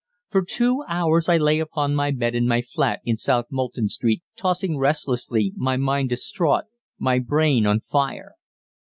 For two hours I lay upon my bed in my flat in South Molton Street, tossing restlessly, my mind distraught, my brain on fire.